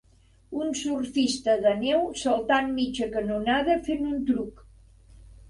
Un surfista de neu saltant mitja canonada fent un truc.